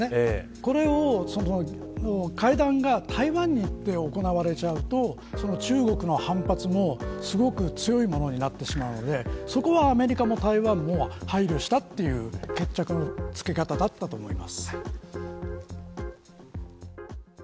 これを会談が台湾に行って行われちゃうと中国の反発もすごく強いものになってしまうのでそこは、アメリカも台湾も配慮したという決着のつけ方だったと思います。